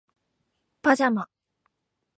パジャマ